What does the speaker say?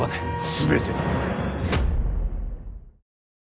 全て。